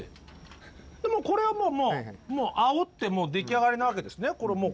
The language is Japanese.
これはもうあおって出来上がりなわけですね。